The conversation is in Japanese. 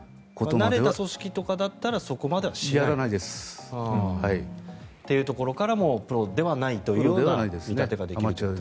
慣れた組織だったらそこまではしない？というところからもプロではないというような見立てができると。